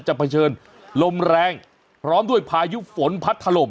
เผชิญลมแรงพร้อมด้วยพายุฝนพัดถล่ม